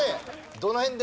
どの辺で？